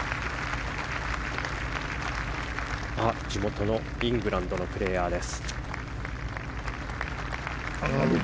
地元のイングランドのプレーヤーです。